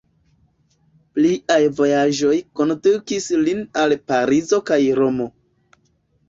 Pliaj vojaĝoj kondukis lin al Parizo kaj Romo.